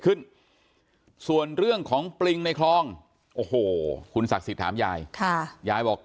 ขึ้นส่วนเรื่องของปริงในคลองโอ้โหคุณศักดิ์สิทธิ์ถามยายยายบอก